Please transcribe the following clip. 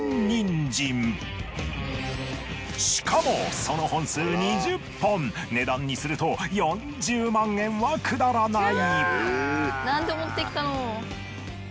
しかもその本数値段にすると４０万円はくだらない。